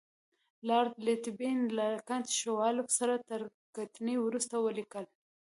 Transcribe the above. لارډ لیټن له کنټ شووالوف سره تر کتنې وروسته ولیکل.